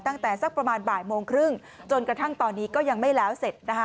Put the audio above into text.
ตั้งแต่สักประมาณบ่ายโมงครึ่งจนกระทั่งตอนนี้ก็ยังไม่แล้วเสร็จนะคะ